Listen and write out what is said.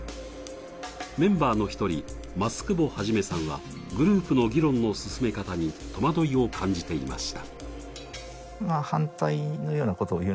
メンバーの１人、松久保肇さんは、グループの議論の進め方に戸惑いを感じていました。